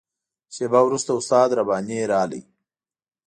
شېبه وروسته استاد رباني راغی.